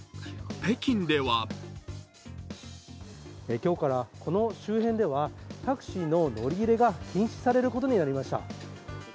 北京では今日からこの周辺ではタクシーの乗り入れが禁止されることになりました。